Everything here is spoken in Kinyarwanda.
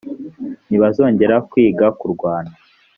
ntibazongera kwiga kurwana